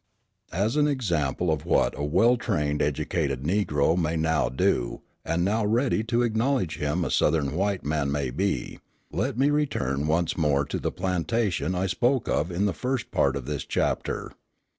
As an example of what a well trained and educated Negro may now do, and how ready to acknowledge him a Southern white man may be, let me return once more to the plantation I spoke of in the first part of this chapter.